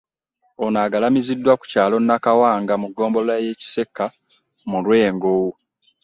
Ono ng'agalamiziddwa ku kyalo Nakawanga mu ggombolola y'e Kisekka mu Lwengo